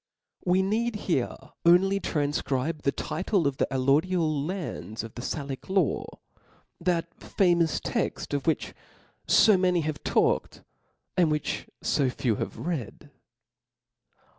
We need here only tranfcribe the title of the Jlh^ lodial lands of the Salic law, chat famous textof which fo many have talked, and which fo few have read.